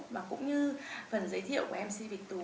và cũng như phần giới thiệu của mc việt thủ